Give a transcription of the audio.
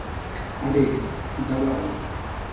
আরে, দাঁড়াও!